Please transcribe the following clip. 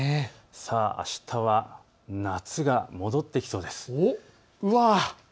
あしたは夏が戻ってきそうです。